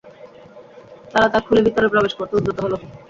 তারা তা খুলে ভিতরে প্রবেশ করতে উদ্যত হলো।